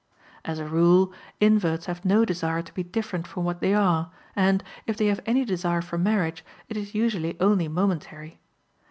As a rule, inverts have no desire to be different from what they are, and, if they have any desire for marriage, it is usually only momentary.